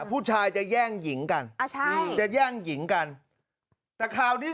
ผู้ชายจะแย่งหญิงกันอ่าใช่จะแย่งหญิงกันแต่คราวนี้